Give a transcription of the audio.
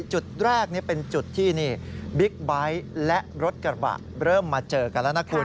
จุดแรกเป็นจุดที่บิ๊กไบท์และรถกระบะเริ่มมาเจอกันแล้วนะคุณ